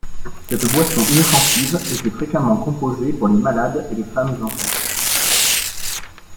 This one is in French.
Cette boisson inoffensive était fréquemment composée pour les malades et les femmes en couches.